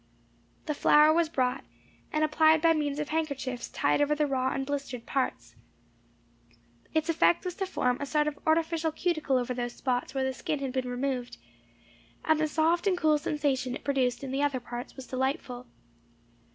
The flour was brought, and applied by means of handkerchiefs tied over the raw and blistered parts. Its effect was to form a sort of artificial cuticle over those spots where the skin had been removed; and the soft and cool sensation it produced in the other parts was delightful.